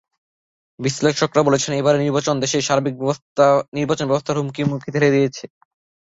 বিশ্লেষকেরা বলছেন, এবারের নির্বাচন দেশের সার্বিক নির্বাচনব্যবস্থাকে হুমকির মুখে ঠেলে দিয়েছে।